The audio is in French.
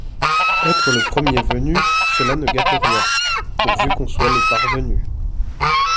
Être le premier venu, cela ne gâte rien, pourvu qu’on soit le parvenu.